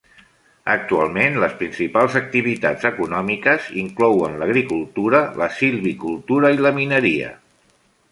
Actualment, les principals activitats econòmiques inclouen l'agricultura, la silvicultura i la mineria.